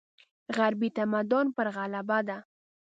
غربي تمدن پر غلبه ده.